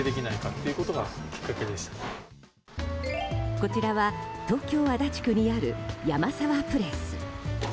こちらは東京・足立区にあるヤマサワプレス。